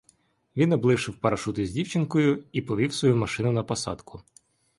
Він облишив парашут із дівчинкою і повів свою машину на посадку.